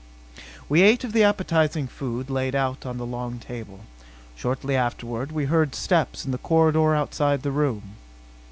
We ate of the appetizing food laid out on the long table. Shortly afterward we heard steps in the corridor outside the room.